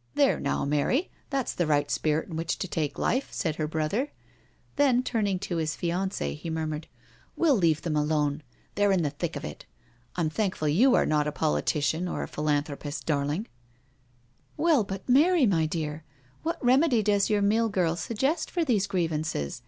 " There now, Mary, that's the right spirit in which to take life," said her brother. Then turning to his fiancie he murmured, " Well leave them alone — they're in the thick of it. I'm thankful you are not a politician or a philanthropist, darling I" " Well, but Mary, my dear, what remedy does your mill girl suggest for these grievances?'